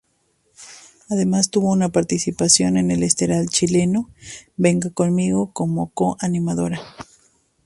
Además tuvo una participación en el estelar chileno "Venga Conmigo" como co-animadora.